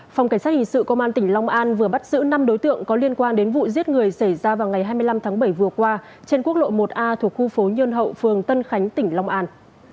phòng cảnh sát hình sự công an tỉnh long an vừa bắt giữ năm đối tượng có liên quan đến vụ giết người xảy ra vào ngày hai mươi năm tháng bảy vừa qua trên quốc lộ một a thuộc khu phố nhân hậu phường tân khánh tỉnh long an